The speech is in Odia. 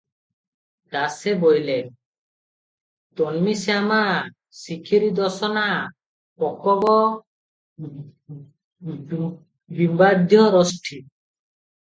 ଦାସେ ବୋଇଲେ --"ତନ୍ମୀ ଶ୍ୟାମା ଶିଖିରିଦଶନା ପକବବିମ୍ବାଧ୍ୟରୋଷ୍ଠୀ ।"